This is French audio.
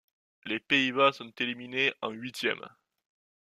Les Pays-Bas sont éliminés en huitièmes.